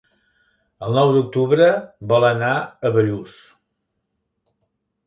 El nou d'octubre vol anar a Bellús.